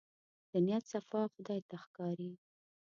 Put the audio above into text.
د نيت صفا خدای ته ښکاري.